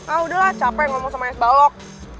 ah udah lah capek ngomong sama es balok